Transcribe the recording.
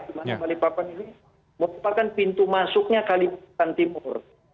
di mana balikpapan ini merupakan pintu masuknya kalimantan timur